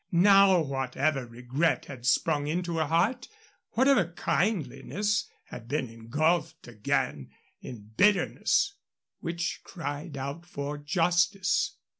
Now, whatever regret had sprung into her heart, whatever kindliness, had been engulfed again in a bitterness which cried out for justice.